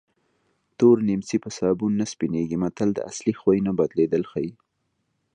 تور نیمڅی په سابون نه سپینېږي متل د اصلي خوی نه بدلېدل ښيي